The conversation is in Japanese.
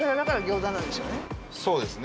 そうですね。